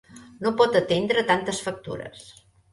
No pot atendre tantes factures.